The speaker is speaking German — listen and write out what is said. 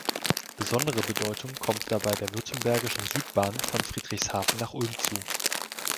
Besondere Bedeutung kommt dabei der Württembergischen Südbahn von Friedrichshafen nach Ulm zu.